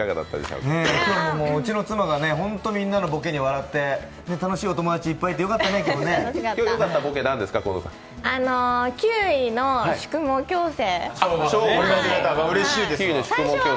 うちの妻が、ホント、みんなのボケに笑って楽しいお友達いっぱいいて、よかったね、今日。